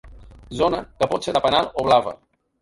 Zona que pot ser de penal o blava.